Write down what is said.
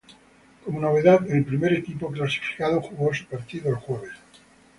Como novedad, el primer equipo clasificado jugó su partido el jueves.